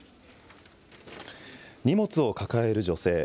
荷物を抱える女性。